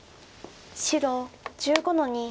白１５の二。